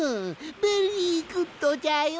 ベリーグッドじゃよ！